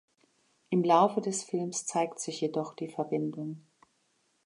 Im Laufe des Films zeigt sich jedoch die Verbindung.